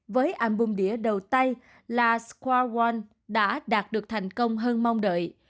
với album đĩa đầu tay là square wal đã đạt được thành công hơn mong đợi